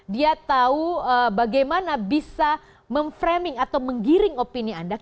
dia tahu bagaimana bisa memframing atau menggiring opini anda